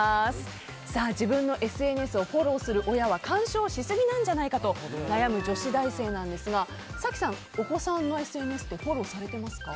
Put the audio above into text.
自分のＳＮＳをフォローする親は干渉しすぎなんじゃないかという悩む、女子大生なんですが早紀さん、お子さんのＳＮＳってフォローされていますか？